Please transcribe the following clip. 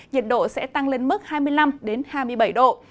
nhiệt độ sẽ tăng lên mức hai mươi năm hai mươi bảy độ